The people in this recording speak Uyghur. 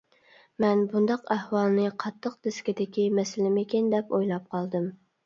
مەن بۇنداق ئەھۋالنى قاتتىق دىسكىدىكى مەسىلىمىكىن دەپ ئويلاپ قالدىم.